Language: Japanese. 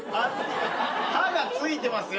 歯がついてますよ！